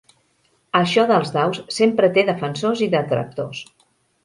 Això dels daus sempre té defensors i detractors.